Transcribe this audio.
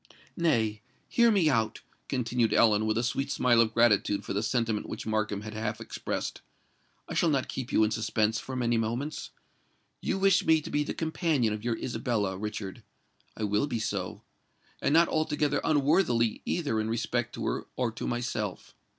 "Nay—hear me out," continued Ellen, with a sweet smile of gratitude for the sentiment which Markham had half expressed: "I shall not keep you in suspense for many moments. You wish me to be the companion of your Isabella, Richard?—I will be so—and not altogether unworthily either in respect to her or to myself.